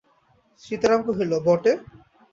সীতারাম কহিল, বটে?